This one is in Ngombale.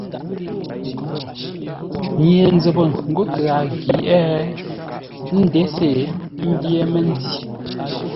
Nye-nzəpə ghó tə a ghyeʼé ə́ nděse ḿbyé məndǐ.